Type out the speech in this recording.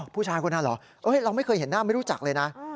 ผู้ชายคนนั้นเหรอเราไม่เคยเห็นหน้าไม่รู้จักเลยนะ